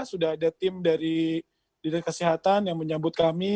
sudah ada tim dari dinas kesehatan yang menyambut kami